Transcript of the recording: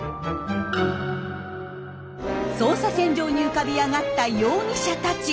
捜査線上に浮かび上がった容疑者たち。